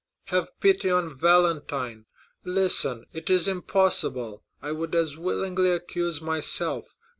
"Have pity on Valentine! Listen, it is impossible. I would as willingly accuse myself!